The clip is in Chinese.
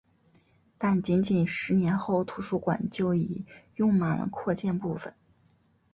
但仅仅十年后图书馆就已用满了扩建部分。